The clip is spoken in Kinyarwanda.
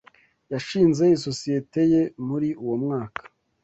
Yashinze isosiyete ye muri uwo mwaka.